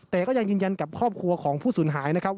แต่ก็ยังยืนยันกับครอบครัวของผู้สูญหายนะครับ